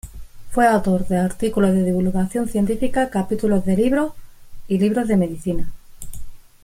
Fue autor de artículos de divulgación científica, capítulos de libros y libros de medicina.